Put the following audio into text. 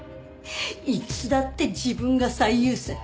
いつだって自分が最優先。